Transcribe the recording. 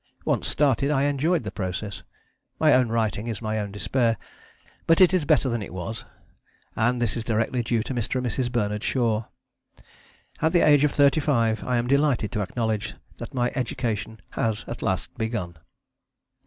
Once started, I enjoyed the process. My own writing is my own despair, but it is better than it was, and this is directly due to Mr. and Mrs. Bernard Shaw. At the age of thirty five I am delighted to acknowledge that my education has at last begun.